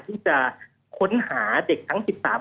ที่จะค้นหาเด็กทั้ง๑๓คน